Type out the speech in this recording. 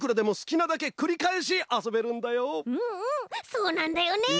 そうなんだよね！